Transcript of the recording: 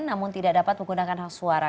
namun tidak dapat menggunakan hak suara